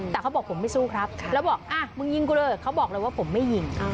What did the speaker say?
แต่เขาบอกผมไม่สู้ครับแล้วบอกมึงยิงกูเลยเขาบอกเลยว่าผมไม่ยิง